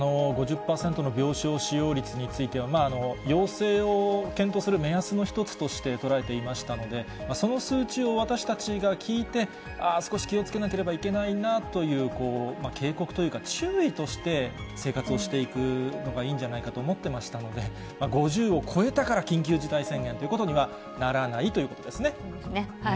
５０％の病床使用率については、要請を検討する目安の一つとして捉えていましたので、その数値を、私たちが聞いて、ああ、少し気をつけなければいけないなという警告というか、注意として生活をしていくのがいいんじゃないかと思ってましたので、５０を超えたから、緊急事態宣言ということにはならないといそうですね。